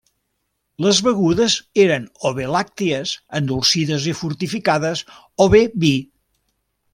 Les begudes eren o bé làctiques, endolcides i fortificades, o bé vi.